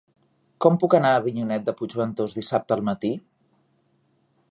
Com puc anar a Avinyonet de Puigventós dissabte al matí?